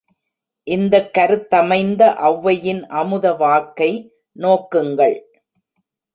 இந்தக் கருத்தமைந்த ஒளவையின் அமுதவாக்கை நோக்குங்கள்!